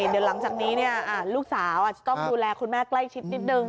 เดี๋ยวหลังจากนี้ลูกสาวอาจจะต้องดูแลคุณแม่ใกล้ชิดนิดนึง